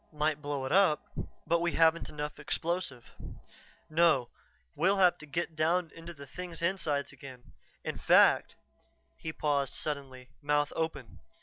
Might blow it up, but we haven't enough explosive. "No, we'll have to get down into the thing's insides again. In fact " He paused suddenly, mouth open.